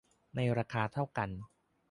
ในราคาเท่ากัน